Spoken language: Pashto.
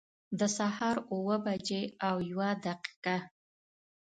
د سهار اوه بجي او یوه دقيقه